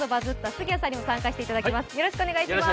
杉谷さんにも参加していただきます。